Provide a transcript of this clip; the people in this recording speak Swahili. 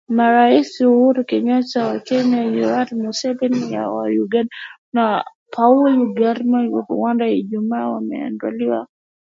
Marais Uhuru Kenyata wa Kenya, Yoweri Museveni wa Uganda, na Paul Kagame wa Rwanda Ijumaa wamezindua ramani iliyopanuliwa